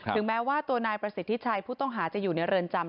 แม้ว่าตัวนายประสิทธิชัยผู้ต้องหาจะอยู่ในเรือนจำ